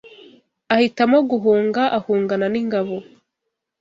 ahitamo guhunga, ahungana n’ingabo